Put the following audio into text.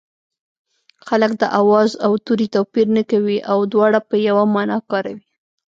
خلک د آواز او توري توپیر نه کوي او دواړه په یوه مانا کاروي